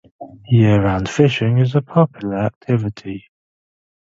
Year-round fishing is a popular activity.